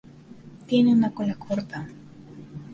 Tiene una cola corta.